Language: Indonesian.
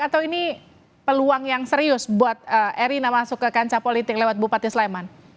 atau ini peluang yang serius buat erina masuk ke kancah politik lewat bupati sleman